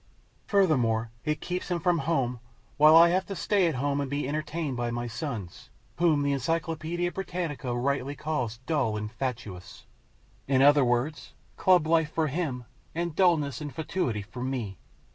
Furthermore, it keeps him from home, while I have to stay at home and be entertained by my sons, whom the Encyclopaedia Britannica rightly calls dull and fatuous. In other words, club life for him, and dulness and fatuity for me."